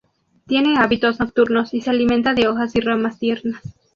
Tiene hábitos nocturnos y se alimenta de hojas y ramas tiernas.